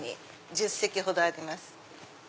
１０席ほどあります。